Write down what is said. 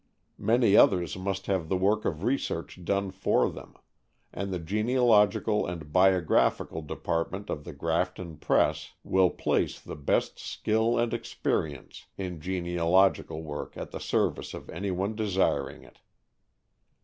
Many others must have the work of research done for them; and the Genealogical and Biographical Department of The Grafton Press will place the best skill and experience in genealogical work at the service of any one desiring it.